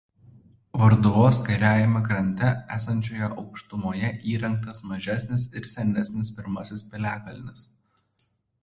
Varduvos kairiajame krante esančioje aukštumoje įrengtas mažesnis ir senesnis pirmasis piliakalnis.